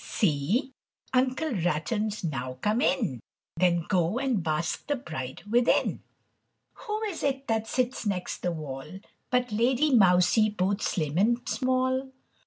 PUDDOCK. "See, Uncle Ratton's now come in Then go and bask the bride within." Who is it that sits next the wall But Lady Mousie both slim and small?